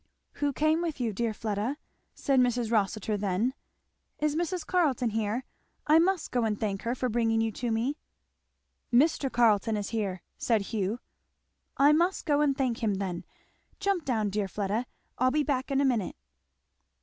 "Who came with you, dear Fleda?" said Mrs. Rossitur then. "Is Mrs. Carleton here? I must go and thank her for bringing you to me." "Mr. Carleton is here," said Hugh. "I must go and thank him then. Jump down, dear Fleda I'll be back in a minute."